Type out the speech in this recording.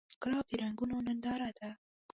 ګلاب د رنګونو ننداره ده.